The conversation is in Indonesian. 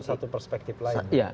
satu perspektif lain